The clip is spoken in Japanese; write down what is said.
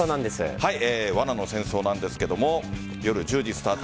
「罠の戦争」なんですが夜１０時スタート。